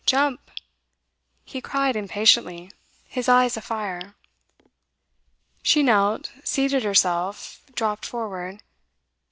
Jump!' he cried impatiently, his eyes afire. She knelt, seated herself, dropped forward.